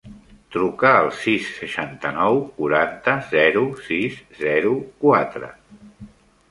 Truca al sis, seixanta-nou, quaranta, zero, sis, zero, quatre.